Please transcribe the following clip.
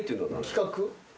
企画？